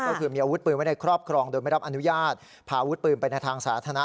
ก็คือมีอาวุธปืนไว้ในครอบครองโดยไม่รับอนุญาตพาอาวุธปืนไปในทางสาธารณะ